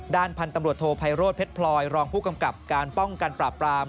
พันธุ์ตำรวจโทไพโรธเพชรพลอยรองผู้กำกับการป้องกันปราบปราม